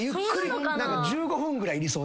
１５分ぐらいいりそうです